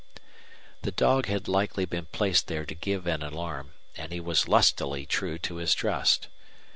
The dog had likely been placed there to give an alarm, and he was lustily true to his trust.